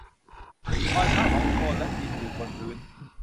รอยเท้าของโคลนและดินอยู่บนพื้น